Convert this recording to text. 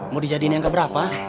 mau dijadiin yang keberapa